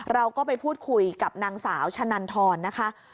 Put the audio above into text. เราก็ไปพูดคุยกับนางสาวชะนันทรนะคะ